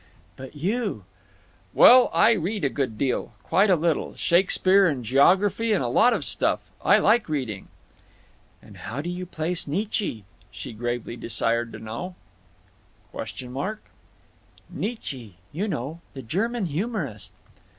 "But you—?" "Well, I read a good deal. Quite a little. Shakespeare and geography and a lot of stuff. I like reading." "And how do you place Nietzsche?" she gravely desired to know. "?" "Nietzsche. You know—the German humorist."